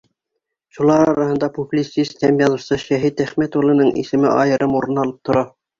Шулар араһында публицист һәм яҙыусы Шәһит Әхмәт улының исеме айырым урын алып тора.